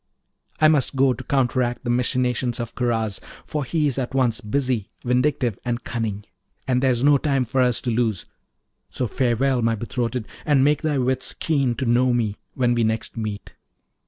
I must go to counteract the machinations of Karaz, for he's at once busy, vindictive, and cunning, and there's no time for us to lose; so farewell, my betrothed, and make thy wits keen to know me when we next meet.'